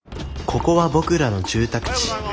ここは僕らの住宅地。